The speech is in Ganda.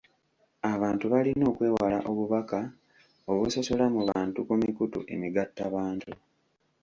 Abantu balina okwewala obubaka obusosola mu bantu ku mikutu emigattabantu.